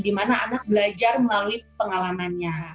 di mana anak belajar melalui pengalamannya